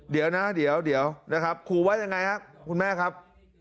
เดี๋ยวนะเดี๋ยวเดี๋ยวนะครับขู่ไว้อย่างไรครับคุณแม่ครับ